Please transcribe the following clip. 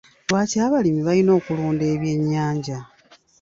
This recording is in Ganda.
Lwaki abalimi balina okulunda ebyennyanja?